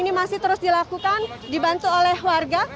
ini masih terus dilakukan dibantu oleh warga